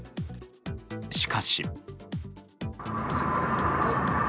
しかし。